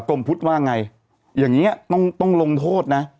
กลมพุธว่าง่ายอย่างเงี้ยต้องต้องลงโทษน่ะ